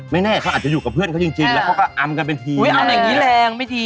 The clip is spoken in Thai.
ไม่แน่เขาอยู่กับเพื่อนเขาจริงแล้วเขาก็อำกันเป็นทีแหลกอำอะไรอย่างนี้แรงไม่ดี